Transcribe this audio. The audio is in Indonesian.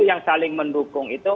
yang saling mendukung itu